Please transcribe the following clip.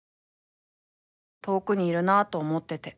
［遠くにいるなと思ってて］